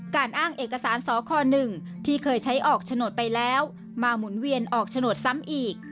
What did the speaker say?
การอ้างเอกสารสค๑ที่เคยใช้ออกโฉนดไปแล้วมาหมุนเวียนออกโฉนดซ้ำอีก